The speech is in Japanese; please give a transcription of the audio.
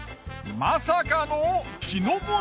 まさかの木登り！